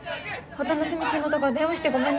お楽しみ中のところ電話してごめんね。